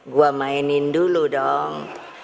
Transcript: gue mainin dulu dong